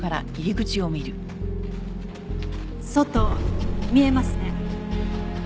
外見えますね。